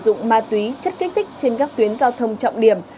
sử dụng ma túy chất kích thích trên các tuyến giao thông trọng điểm